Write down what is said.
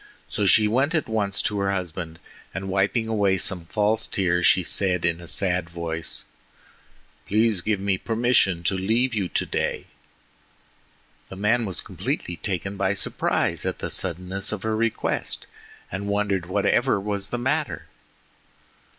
So she went at once to her husband, and wiping away some false tears she said in a sad voice: "Please give me permission to leave you today." The man was completely taken by surprise at the suddenness of her request, and wondered whatever was the matter.